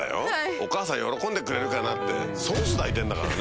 お母さん喜んでくれるかなってソース抱いてんだからね。